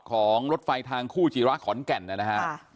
ของรถไฟทางคู่จิระขอนแก่นนะฮะ